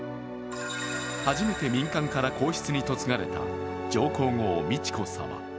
初めて民間から皇室に嫁がれた上皇后・美智子さま。